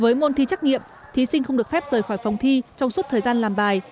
với môn thi trắc nghiệm thí sinh không được phép rời khỏi phòng thi trong suốt thời gian làm bài